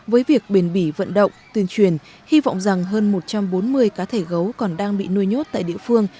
với việc bền bỉ vận động tuyên truyền hy vọng rằng hơn một trăm bốn mươi cá thể gấu còn đang bị nuôi nhốt tại địa phương